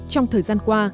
trong thời gian qua